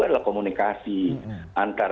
adalah komunikasi antar